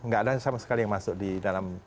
nggak ada sama sekali yang masuk di dalam